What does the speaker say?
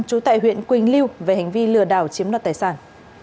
trú tại huyện quỳnh lưu về hành vi lừa đảo chiếm đoạt tài sản